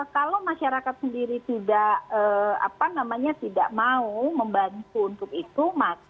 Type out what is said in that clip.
kalau masyarakat sendiri tidak mau membantu untuk itu